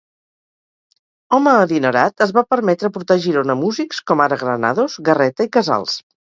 Home adinerat, es va permetre portar a Girona músics com ara Granados, Garreta i Casals.